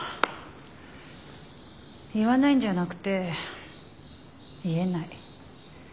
言わないんじゃなくて言えない。